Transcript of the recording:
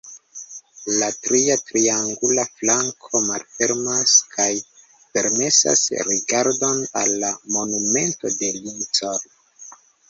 La tria triangula flanko malfermas kaj permesas rigardon al la Monumento de Lincoln.